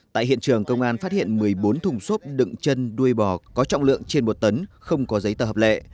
tại hiện trường công an phát hiện một mươi bốn thùng xốp đựng chân đuôi bò có trọng lượng trên một tấn không có giấy tờ hợp lệ